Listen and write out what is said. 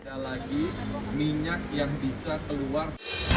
ada lagi minyak yang bisa keluar